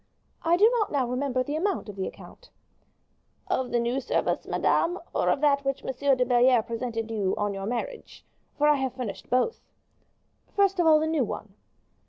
"I do not now remember the amount of the account." "Of the new service, madame, or of that which M. de Belliere presented to you on your marriage? for I have furnished both." "First of all, the new one."